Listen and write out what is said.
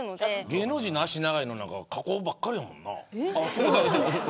芸能人の脚が長いのなんて加工ばっかりやもんな。